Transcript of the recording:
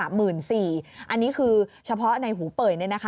อันนี้คือเฉพาะในหูเป่ย